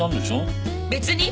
別に。